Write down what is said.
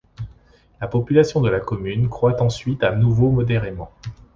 La population de la commune croît ensuite à nouveau modérément.